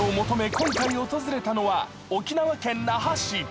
今回訪れたのは沖縄県那覇市。